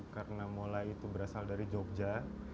karena molai itu berasal dari jogja